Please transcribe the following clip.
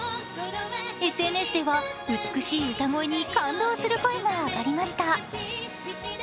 ＳＮＳでは、美しい歌声に感動する声が上がりました。